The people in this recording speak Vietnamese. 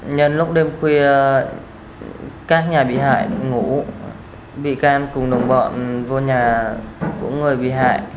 nhân lúc đêm khuya các nhà bị hại ngủ bị can cùng đồng bọn vô nhà của người bị hại